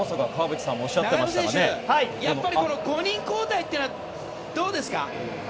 中山さん、やっぱり５人交代というのはどうですか？